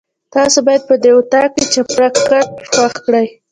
تاسو باید په دې اطاق کې چپرکټ خوښ کړئ.